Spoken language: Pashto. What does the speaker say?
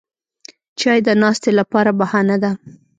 چای د ناستې لپاره بهانه ده